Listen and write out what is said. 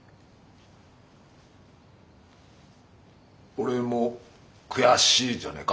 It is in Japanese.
「俺も悔しい」じゃねえか？